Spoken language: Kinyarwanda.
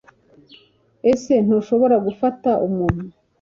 Ese ntushobora gufata umuntu